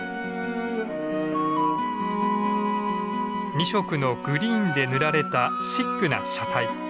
２色のグリーンで塗られたシックな車体。